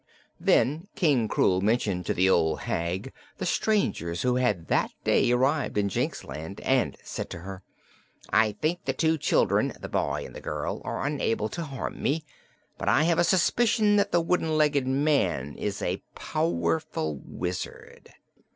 Then King Krewl mentioned to the old hag the strangers who had that day arrived in Jinxland, and said to her: "I think the two children the boy and the girl are unable to harm me, but I have a suspicion that the wooden legged man is a powerful wizard."